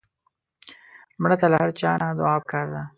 مړه ته له هر چا نه دعا پکار ده